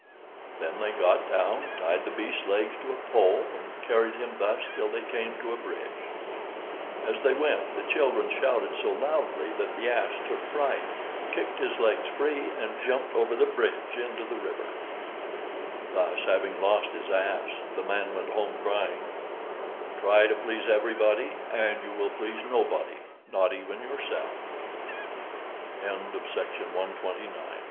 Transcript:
Then they got down, tied the beast's legs to a pole, and carried him thus till they came to a bridge. As they went, the children shouted so loudly that the ass took fright kicked his legs free, and jumped over the bridge into the river. Thus having lost his ass, the man went home, crying, "Try to please everybody and you will please nobody, not even yourself!" FABLES OF INDIA ADAPTED BY P.